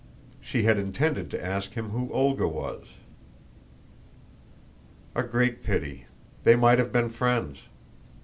She had intended to ask him who Olga was. A great pity. They might have been friends.